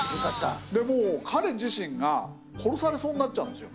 でもう彼自身が殺されそうになっちゃうんですよ。